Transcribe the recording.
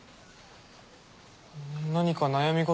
何か悩み事？